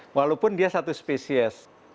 walaupun dia satu spesies